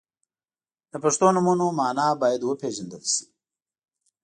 • د پښتو نومونو مانا باید وپیژندل شي.